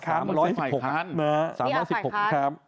๓๑๖ครับ